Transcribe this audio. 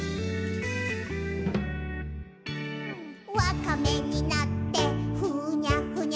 「わかめになってふにゃふにゃ」